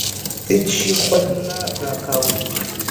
هېڅ شي خوند نه راکاوه.